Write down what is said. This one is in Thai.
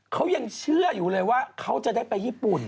เขายังเชื่ออยู่เลยว่าเขาจะได้ไปญี่ปุ่น